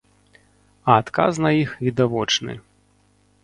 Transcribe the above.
А адказ на іх відавочны.